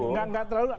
nggak nggak terlalu